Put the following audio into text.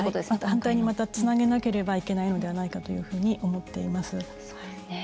反対に、またつなげなければいけないのではないかというふうに思っています。